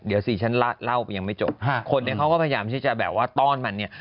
เดี๋ยวสิฉันเล่าไปยังไม่จบคนเนี่ยเขาก็พยายามที่จะแบบว่าต้อนมันเนี่ย